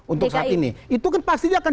untuk saat ini itu kan pasti dia akan